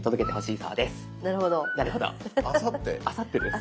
あさってです。